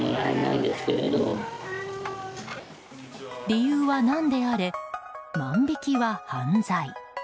理由は何であれ万引きは犯罪。